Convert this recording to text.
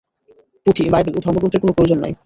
পুঁথি, বাইবেল ও ধর্মগ্রন্থের কোন প্রয়োজন নাই।